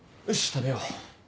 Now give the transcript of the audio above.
食べよう。